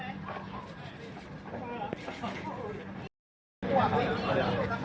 พี่สุนัยคิดถึงลูกไหมครับ